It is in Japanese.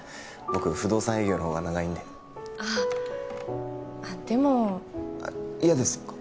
僕不動産営業の方が長いんであああっでも嫌ですか？